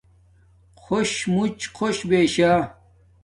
خوش موڎ خوش بشا